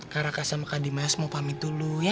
kak raka sama kak dimas mau pamit dulu ya